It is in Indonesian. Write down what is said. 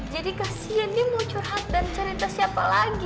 jadi kasian dia mau curhat dan cerita siapa lagi